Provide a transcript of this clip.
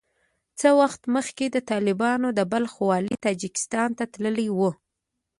څه وخت مخکې د طالبانو د بلخ والي تاجکستان ته تللی وو